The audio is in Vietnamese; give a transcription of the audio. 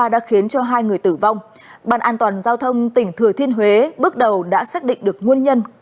đã khiến cho hai người tử vong bàn an toàn giao thông tỉnh thừa thiên huế bước đầu đã xác định được nguồn nhân của vụ tài nạn